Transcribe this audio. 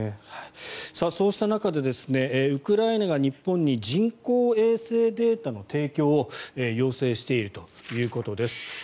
そうした中でウクライナが日本に人工衛星データの提供を要請しているということです。